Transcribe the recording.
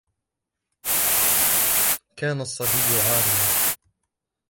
كان الصبي عاريا.